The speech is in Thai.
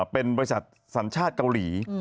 เป็นบริษัทสัญชาติเกาหลี